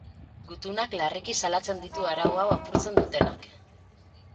Gutunak larriki salatzen ditu arau hau apurtzen dutenak.